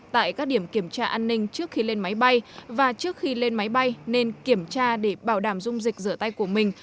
tại các điểm kiểm tra an ninh trước khi lên máy bay và trước khi lên máy bay nên kiểm tra để bảo đảm dung dịch rửa tay của mình